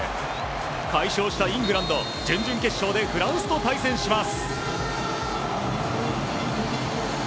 快勝したイングランド準々決勝でフランスと対戦します。